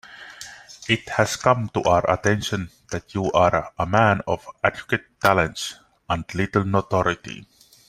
It has come to our attention that you are a man of adequate talents and little notoriety.